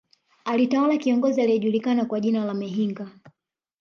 Alitawala kiongozi aliyejulikana kwa jina la Mehinga